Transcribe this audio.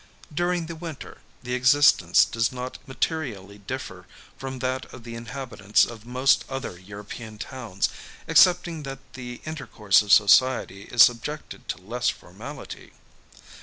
During the winter, the existence does not materially differ from that of the inhabitants of most other European towns; excepting that the intercourse of society is subjected to less formality.